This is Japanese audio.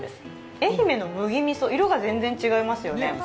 愛媛の麦みそ、色が全然違いますよね。